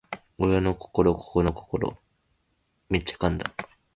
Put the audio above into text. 親の心子の心